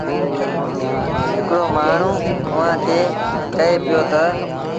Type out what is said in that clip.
هڪڙو مآڻهوٚٚݩ اُئآݩ کي ڪهي پيو تا